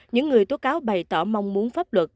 những người tố cáo bày tỏ mong muốn pháp luật